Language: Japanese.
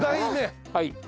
はい。